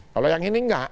kalau yang ini tidak